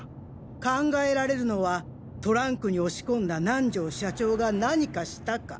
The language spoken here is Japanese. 考えられるのはトランクに押し込んだ南條社長が何かしたか。